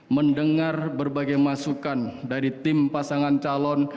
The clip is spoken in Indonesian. mendengar berbagai masukan dari tim pasangan calon